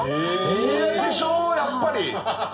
やっぱり！